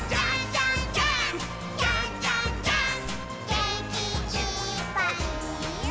「げんきいっぱいもっと」